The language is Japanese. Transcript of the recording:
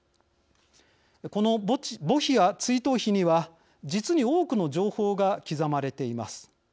この墓碑や追悼碑には実に多くの情報が刻まれています。